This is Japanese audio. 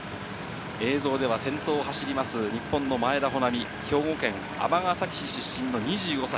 映像では先頭を走ります日本の前田穂南、兵庫県尼崎市出身の２５歳。